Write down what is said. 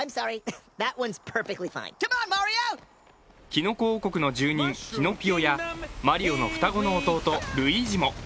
きのこ王国の住人、キノピオやマリオの双子の弟、ルイージも。